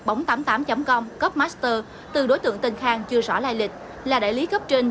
bóng tám mươi tám com cấp master từ đối tượng tân khang chưa rõ lai lịch là đại lý cấp trên